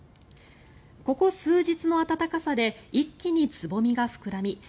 ここ数日の暖かさで一気につぼみが膨らみ